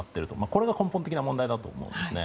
これが根本的な問題だと思うんですね。